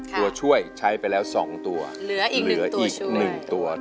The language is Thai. ตัวช่วยใช้ไปแล้ว๒ตัวเหลืออีก๑ตัว